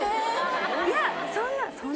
いやそんなそんな。